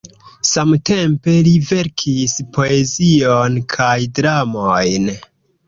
Samtempe li verkis poezion kaj dramojn.